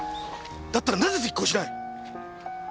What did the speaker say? だったらなぜ実行しない！？